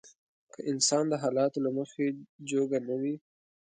که انسان د حالاتو له مخې جوګه نه وي.